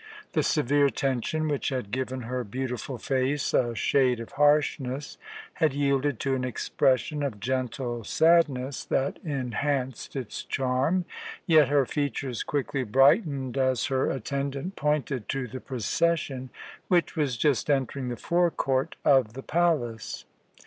The severe tension which had given her beautiful face a shade of harshness had yielded to an expression of gentle sadness that enhanced its charm, yet her features quickly brightened as her attendant pointed to the procession which was just entering the forecourt of the palace.